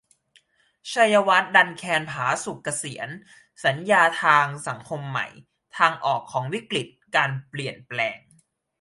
ชัยวัฒน์ ดันแคน ผาสุก เกษียร - สัญญาทางสังคมใหม่ : ทางออกของวิกฤติการเปลี่ยนแปลง